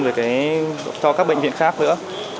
có thể đại trà hơn cho các bệnh viện khác nữa